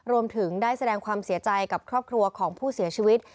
รวมถึงได้แสดงความเสียใจกับครอบครัวของผู้เสียชีวิต